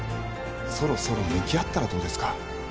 そろそろ向き合ったらどうですか。